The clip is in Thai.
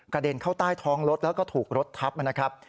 เด็นเข้าใต้ท้องรถแล้วก็ถูกรถทับนะครับ